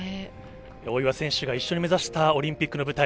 大岩選手が一緒に目指したオリンピックの舞台。